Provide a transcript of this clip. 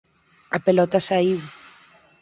A pelota saíu.